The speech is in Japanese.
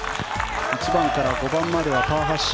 １番から５番まではパー発進。